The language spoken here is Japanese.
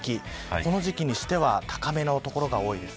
この時期にしては高めの所が多いです。